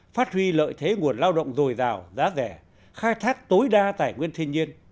phát huy lợi thế nguồn lao động dồi dào giá rẻ khai thác tối đa tài nguyên thiên nhiên